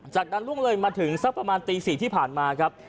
จากนั้นล่วงเลยมาถึงสักประมาณตี๔ที่ผ่านมาครับ